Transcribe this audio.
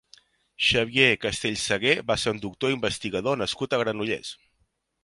Xavier Castellsagué va ser un doctor i investigador nascut a Granollers.